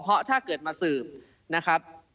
เพราะถ้าเกิดมาสืบ